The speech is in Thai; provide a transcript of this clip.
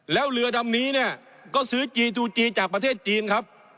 แล้วเรือดำนี้เนี่ยก็ซื้อจีจูจีจากประเทศจีนครับ